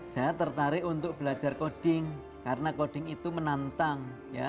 saya tertarik untuk belajar coding karena coding itu menantang